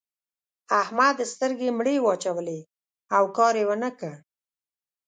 احمد سترګې مړې واچولې؛ او کار يې و نه کړ.